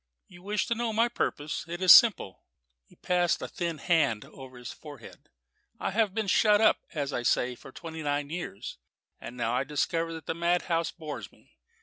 "You wish to know my purpose? It is simple." He passed a thin hand over his forehead. "I have been shut up, as I say, for twenty nine years, and I now discover that the madhouse bores me.